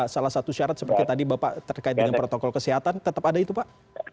salah satu syarat seperti tadi bapak terkait dengan protokol kesehatan tetap ada itu pak